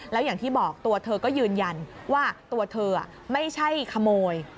แล้วอย่างที่บอกตัวเธอก็ยืนยันว่าตัวเธอไม่ใช่ขโมย